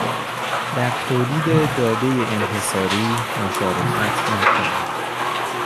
در تولید داده انحصاری مشارکت نکنید